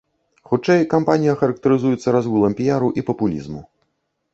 Хутчэй, кампанія характарызуецца разгулам піяру і папулізму.